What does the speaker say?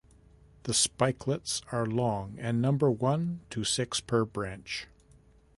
The spikelets are long and number one to six per branch.